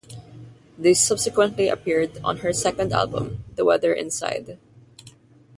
They subsequently appeared on her second album "The Weather Inside".